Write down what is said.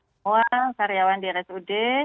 semua karyawan di rsud